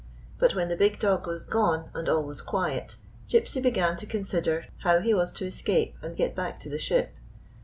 But when the big dog was gone, and all was quiet, Gypsy began to con sider how he was to escape and get back to the ship.